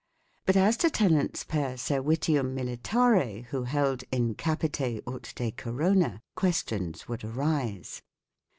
But as to tenants per " servitium militare " who held " in capite ut de corona," questions would arise.